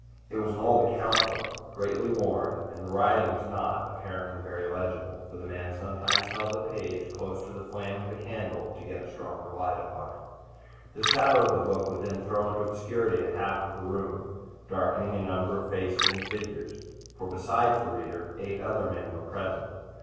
It was an old account book, greatly worn; and the writing was not, apparently, very legible, for the man sometimes held the page close to the flame of the candle to get a stronger light upon it. The shadow of the book would then throw into obscurity a half of the room, darkening a number of faces and figures; for besides the reader, eight other men were present.